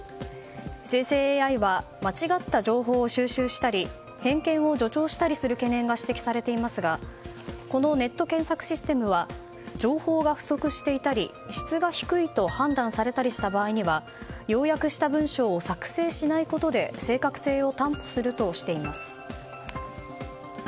生成ＡＩは間違った情報を収集したり偏見を助長したりする懸念が指摘されていますがこのネット検索システムは情報が不足していたり質が低いと判断された場合には要約した文章を作成しないことで正確性を担保するとしています。